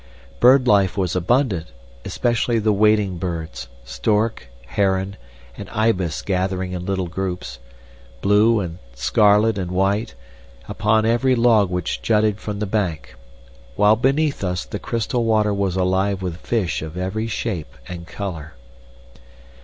Bird life was abundant, especially the wading birds, stork, heron, and ibis gathering in little groups, blue, scarlet, and white, upon every log which jutted from the bank, while beneath us the crystal water was alive with fish of every shape and color.